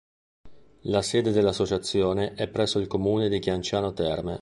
La sede dell'associazione è presso il Comune di Chianciano Terme.